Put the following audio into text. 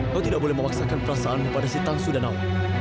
kau tidak boleh memaksakan perasaanmu pada si tang su danawa